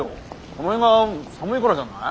この辺が寒いからじゃない？